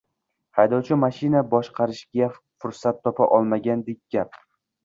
haydovchi mashina boshqarishga fursat topa olmagandek gap.